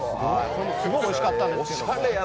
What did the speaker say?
すごくおいしかったんですけど。